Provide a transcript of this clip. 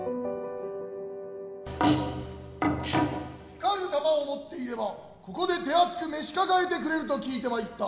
光る玉を持っていればここで手厚く召し抱えてくれると聞いて参った。